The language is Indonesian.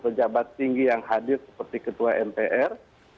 pejabat tinggi yang hadir seperti ketua mpr